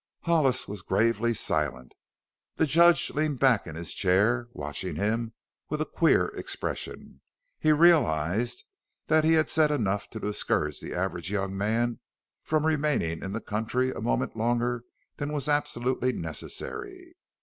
Hollis was gravely silent. The judge leaned back in his chair, watching him with a queer expression. He realized that he had said enough to discourage the average young man from remaining in the country a moment longer than was absolutely necessary.